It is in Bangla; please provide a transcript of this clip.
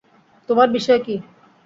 তোমার বিষয় কী?